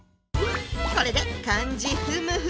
これで漢字ふむふ。